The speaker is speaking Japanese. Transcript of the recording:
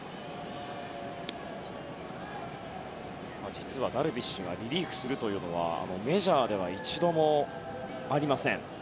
実はダルビッシュがリリーフするというのはメジャーでは一度もありません。